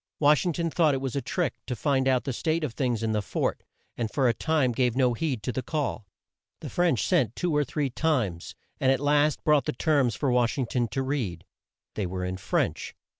Wash ing ton thought it was a trick to find out the state of things in the fort, and for a time gave no heed to the call. The French sent two or three times, and at last brought the terms for Wash ing ton to read. They were in French.